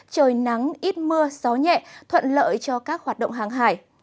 trời nắng ít mưa gió nhẹ thuận lợi cho các hoạt động hàng hải